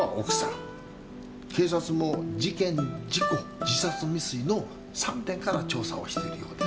警察も事件事故自殺未遂の三点から調査をしているようです。